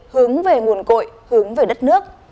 hướng về nguồn cội hướng về đất nước